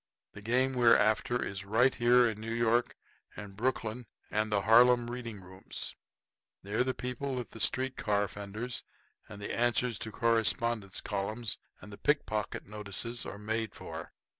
The game we're after is right here in New York and Brooklyn and the Harlem reading rooms. They're the people that the street car fenders and the Answers to Correspondents columns and the pickpocket notices are made for.